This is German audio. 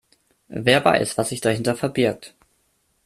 Wer weiß, was sich dahinter verbirgt.